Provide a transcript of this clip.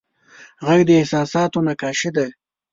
غږ د احساساتو نقاشي ده